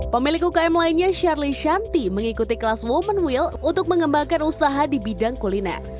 pemilik ukm lainnya shirley shanti mengikuti kelas women wheel untuk mengembangkan usaha di bidang kuliner